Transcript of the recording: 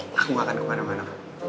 aku akan kemana mana